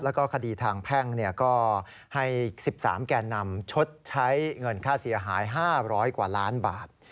แล้วก็คดีทางแพ่งก็ให้๑๓แก่นำชดใช้เงินค่าเสียหาย๕๐๐กว่าล้านบาท